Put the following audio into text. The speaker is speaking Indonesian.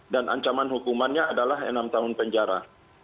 ancaman hukumannya adalah enam tahun penjara